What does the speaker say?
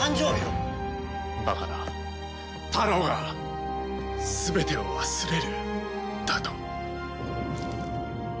バカなタロウが全てを忘れるだと？